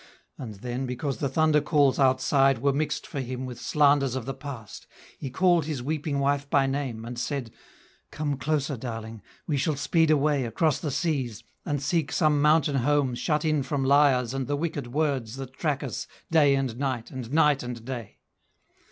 And then, because the thunder calls outside Were mixed for him with slanders of the past, He called his weeping wife by name, and said, "Come closer, darling! We shall speed away Across the seas, and seek some mountain home Shut in from liars and the wicked words That track us day and night and night and day."